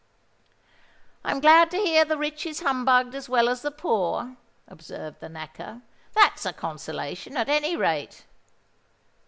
"I'm glad to hear the rich is humbugged as well as the poor," observed the Knacker: "that's a consolation, at any rate."